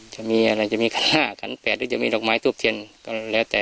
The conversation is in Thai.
จะมีอะไรจะมี๕ขัน๘หรือจะมีดอกไม้ทูบเทียนก็แล้วแต่